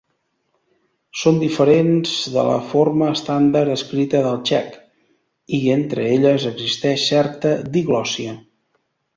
Són diferents de la forma estàndard escrita del txec, i entre elles existeix certa diglòssia.